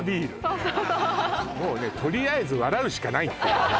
そうそうそうもうねとりあえず笑うしかないっていうね